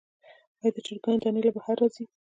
آیا د چرګانو دانی له بهر راځي؟